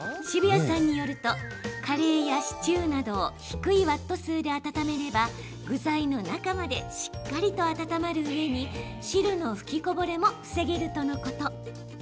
澁谷さんによるとカレーやシチューなどを低いワット数で温めれば具材の中までしっかりと温まるうえに汁の吹きこぼれも防げるとのこと。